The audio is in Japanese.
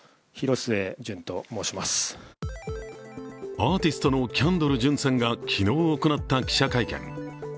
アーティストのキャンドル・ジュンさんが昨日行った記者会見。